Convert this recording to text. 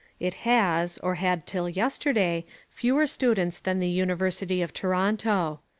It has, or had till yesterday, fewer students than the University of Toronto.